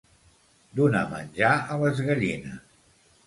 Donar menjar a les gallines.